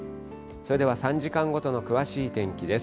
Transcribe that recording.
それでは３時間ごとの詳しい天気です。